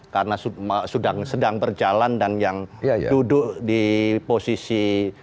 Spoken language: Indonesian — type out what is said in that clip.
karena sedang berjalan dan yang duduk di posisi